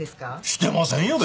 してませんよ